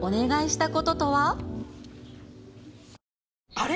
あれ？